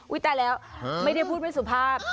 อู้ยตายแล้วไม่ได้พูดไปสุภาพ